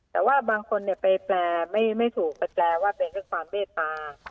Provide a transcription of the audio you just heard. แต่ว่าบางคนเนี่ยไปแปลไม่ถูกแปลว่าเป็นเรื่องความเบตตา